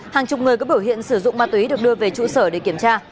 hàng chục người có biểu hiện sử dụng ma túy được đưa về trụ sở để kiểm tra